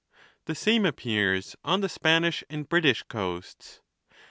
The same appears on the Spanish and British coasts.